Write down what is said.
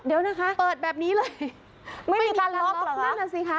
เดี๋ยวนะคะเปิดแบบนี้เลยไม่มีการล็อกนั่นน่ะสิคะ